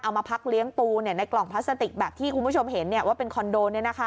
มาพักเลี้ยงปูในกล่องพลาสติกแบบที่คุณผู้ชมเห็นว่าเป็นคอนโด